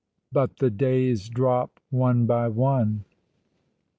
"but the days drop one bt one."